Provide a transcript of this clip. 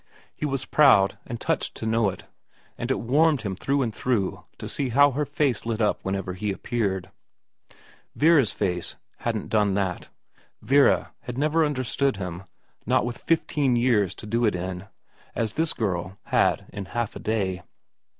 He was proud and touched to know it, and it warmed him through and through to see how her face lit up whenever he appeared. Vera's face hadn't done that. Vera had never understood him, not with fifteen D 34 VERA iv years to do it in, as this girl had in half a day.